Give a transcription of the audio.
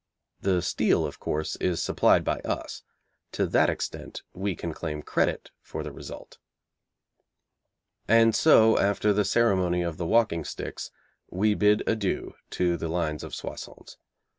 The steel, of course, is supplied by us. To that extent we can claim credit for the result. And so, after the ceremony of the walking sticks, we bid adieu to the lines of Soissons.